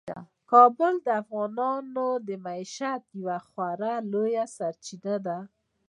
کابل د افغانانو د معیشت یوه خورا لویه سرچینه ده.